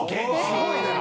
すごいね。